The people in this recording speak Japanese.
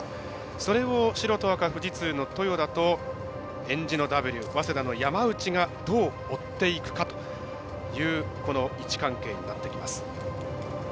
それを富士通の豊田とえんじのＷ、早稲田の山内がどう追っていくかという位置関係になっています。